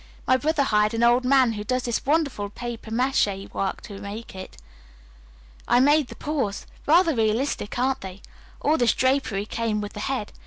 My brother hired an old man who does this wonderful papier mache work to make it. I made the paws. Rather realistic, aren't they? All this drapery came with the head.